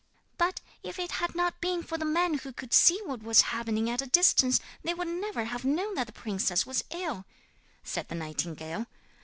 'But if it had not been for the man who could see what was happening at a distance they would never have known that the princess was ill,' said the nightingale.